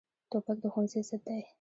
توپک د ښوونځي ضد دی.